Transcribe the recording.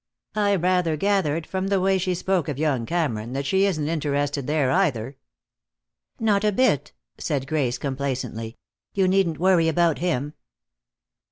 "I rather gathered, from the way she spoke of young Cameron, that she isn't interested there either." "Not a bit," said Grace, complacently. "You needn't worry about him."